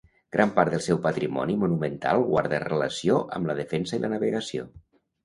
Gran part del seu patrimoni monumental guarda relació amb la defensa i la navegació.